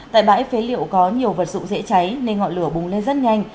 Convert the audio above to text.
tại bãi phế liệu có nhiều vật dụng dễ cháy nên ngọn lửa bùng lên rất nhanh